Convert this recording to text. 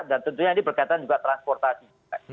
dan tentunya ini berkaitan juga transportasi